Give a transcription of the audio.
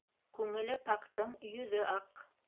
Күңеле пактың йөҙө аҡ.